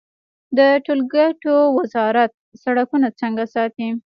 د ټولګټو وزارت سړکونه څنګه ساتي؟